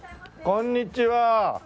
こんにちは。